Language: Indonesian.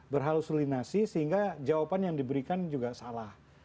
berhaluslinasi sehingga jawaban yang diberikan juga salah